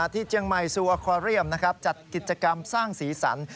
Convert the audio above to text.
ที่เชียงใหม่ซูอาควอเรียมจัดกิจกรรมสร้างศีรษรรค์